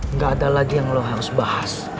nggak ada lagi yang lo harus bahas